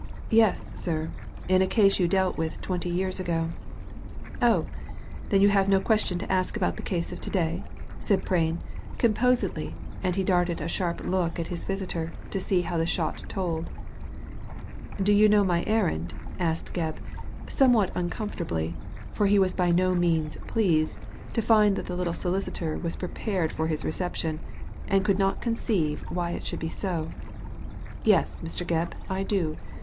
"Yes, sir; about a case you dealt with twenty years ago." ''Ohi Then you have no questions to ask about Digitized by Google MIL PRAIN, SOLICITOR 79 the case of to day ?'' said Prain, composedly, and he darted a sharp look at his visitor to see how the shot told. Do 3^u know my errand ?'' asked Gebb, some what uncomfortablyi for he was by no means pleased to find that the little solicitor was prepared for his reception, and could not conceive why it should be sa "Yes, Mr. Gebb, I do.